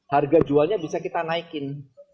harga jualnya bisa kita naikin